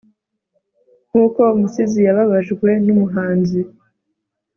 nkuko umusizi yababajwe numuhanzi